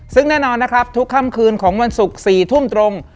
ซึ่งแน่นอนนะครับทุกค่ำคืนของวันศุกร์๔ทุ่มตรง